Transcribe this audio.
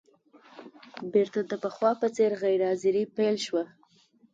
بېرته د پخوا په څېر غیر حاضري پیل شوه.